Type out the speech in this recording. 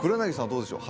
どうでしょう？